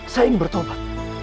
saya ingin bertobat